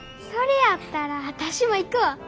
それやったら私も行くわ。